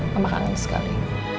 mama kangen sekali